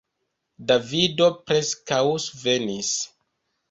Davido preskaŭ svenis.